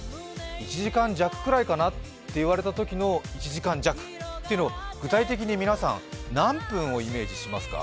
１時間弱ぐらいかなと言われたときの１時間弱というのを、具体的に皆さん、何分をイメージしますか？